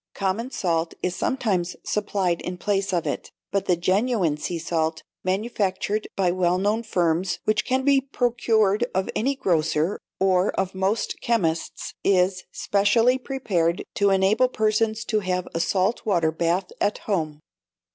Common salt is sometimes supplied in place of it; but the genuine sea salt, manufactured by well known firms, which can be procured of any grocer or of most chemists, is specially prepared to enable persons to have a salt water bath at home.